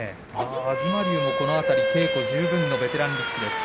東龍はこの辺は稽古十分のベテランです。